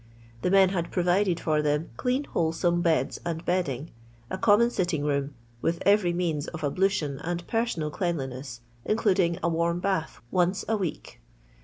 The men had provided for them clean wholesome beds and bedding, a common sitting room, with every means of ablu tion and personal cleanliness, including a warm bath once a week.